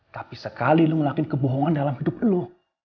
tapi sekali lo ngelakuin kebohongan dalam hidup lo